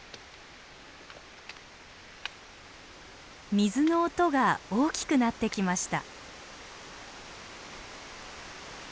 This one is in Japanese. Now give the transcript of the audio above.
水の音が大きくなってきました。